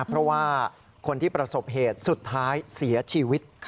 เพราะว่าคนที่ประสบเหตุสุดท้ายเสียชีวิต